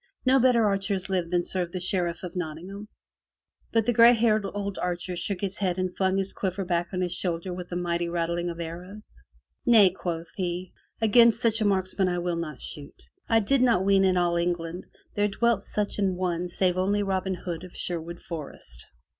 No better archers live than serve the Sheriff of Notting ham." But the gray haired old archer shook his head and flung his quiver back on his shoulder with a mighty rattling of arrows. Nay," quoth he. ''Against such a marksman I will not shoot. I did not ween in all England there dwelt such an one save only Robin Hood of Sherwood Forest."